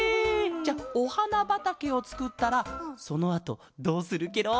じゃあおはなばたけをつくったらそのあとどうするケロ？